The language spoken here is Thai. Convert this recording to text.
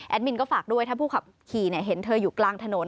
มินก็ฝากด้วยถ้าผู้ขับขี่เห็นเธออยู่กลางถนน